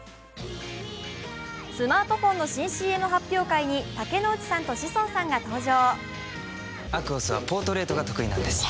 スマートフォンの新ＣＭ発表会に竹野内さんと志尊さんが登場。